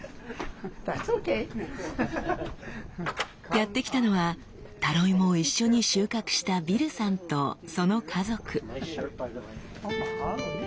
やって来たのはタロイモを一緒に収穫したビルさんとその家族。